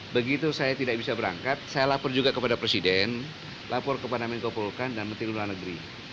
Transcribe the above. begitu saya tidak bisa berangkat saya lapor juga kepada presiden lapor kepada menko polkam dan menteri luar negeri